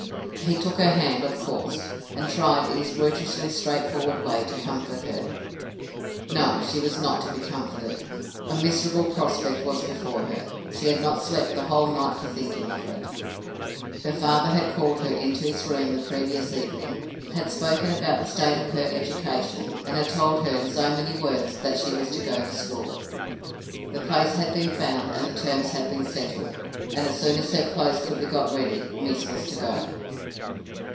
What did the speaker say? He took her hand, of course, and tried, in his brutishly straightforward way, to comfort her. No; she was not to be comforted. A miserable prospect was before her; she had not slept the whole night for thinking of it. Her father had called her into his room the previous evening, had spoken about the state of her education, and had told her in so many words that she was to go to school. The place had been found, and the terms had been settled; and as soon as her clothes could be got ready, miss was to go.